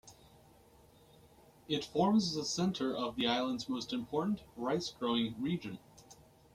It forms the center of the island's most important rice-growing region.